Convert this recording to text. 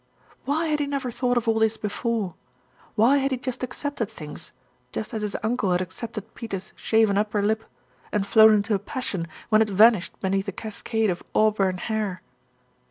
Why had he never thought of all this before? Why had he just accepted things, just as his uncle had ac cepted Peters' shaven upper lip, and flown into a passion when it vanished beneath a cascade of auburn hair?